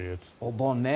お盆ね。